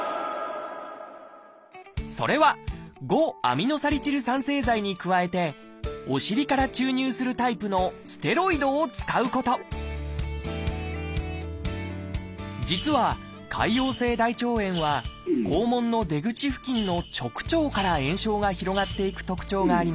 それは「５−アミノサリチル酸製剤」に加えてお尻から注入するタイプのステロイドを使うこと実は潰瘍性大腸炎は肛門の出口付近の直腸から炎症が広がっていく特徴があります。